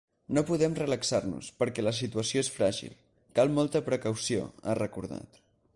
No podem relaxar-nos, perquè la situació és fràgil, cal molta precaució, ha recordat.